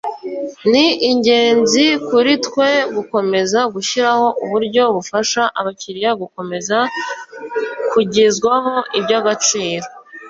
ni ingenzi kuri twe gukomeza gushyiraho uburyo bufasha abakiliya gukomeza kugezwaho iby’agaciro